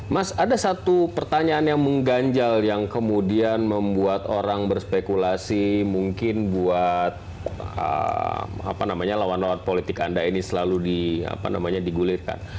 mas ada satu pertanyaan yang mengganjal yang kemudian membuat orang berspekulasi mungkin buat lawan lawan politik anda ini selalu digulirkan